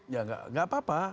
ya enggak apa apa